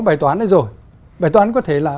bài toán này rồi bài toán có thể là